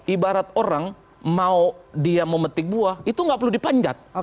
ibarat orang mau dia memetik buah itu gak perlu dipanjat